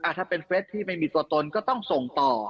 ถ้าเป็นเฟสที่ไม่มีตัวตนก็ต้องส่งต่อ